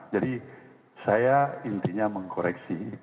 jadi saya intinya mengkoreksi